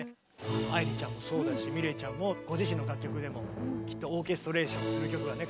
愛理ちゃんもそうだしｍｉｌｅｔちゃんもご自身の楽曲でもきっとオーケストレーションする曲がね